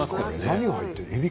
何が入っているの？